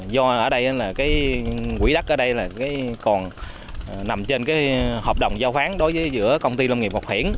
do quỹ đắc ở đây còn nằm trên hợp đồng giao phán đối với giữa công ty lâm nghiệp học hiển